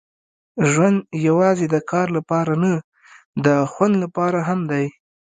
ژوند یوازې د کار لپاره نه، د خوند لپاره هم دی.